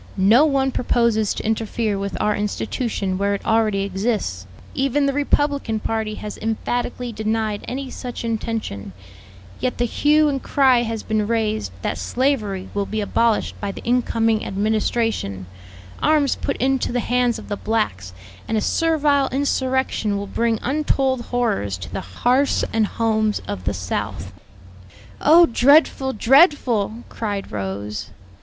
No one proposes to interfere with our institution where it already exists even the Republican party has emphatically denied any such intention yet the hue and cry has been raised that slavery will be abolished by the incoming administration, arms put into the hands of the blacks, and a servile insurrection will bring untold horrors to the hearths and homes of the South." "Oh, dreadful, dreadful!" cried Rose.